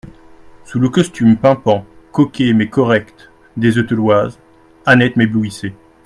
Sous le costume pimpant, coquet, mais correct, des Eteloises, Annette m'éblouissait.